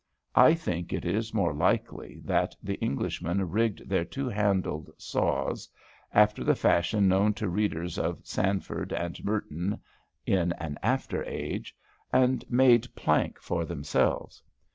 I think it is more likely that the Englishmen rigged their two handled saws, after the fashion known to readers of Sanford and Merton in an after age, and made plank for themselves.